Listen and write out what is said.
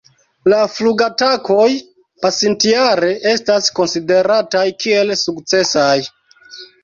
La flugatakoj pasintjare estas konsiderataj kiel sukcesaj.